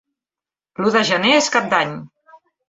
L'u de gener és Cap d'Any.